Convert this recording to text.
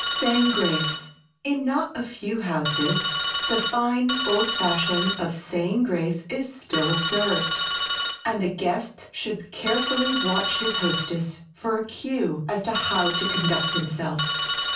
[Sidenote: SAYING GRACE] In not a few houses the fine old fashion of saying grace is still observed and the guest should carefully watch his hostess for a cue as to how to conduct himself.